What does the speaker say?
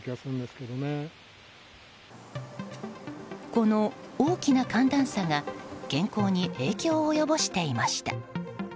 この大きな寒暖差が健康に影響を及ぼしていました。